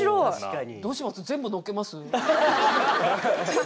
どうします？